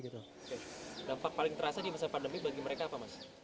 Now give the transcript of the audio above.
dampak paling terasa di masa pandemi bagi mereka apa mas